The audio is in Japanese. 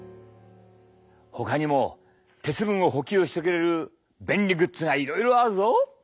ほかにも鉄分を補給してくれる便利グッズがいろいろあるぞ。